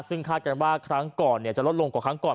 ซึ่งคาดกันว่าครั้งก่อนจะลดลงกว่าครั้งก่อน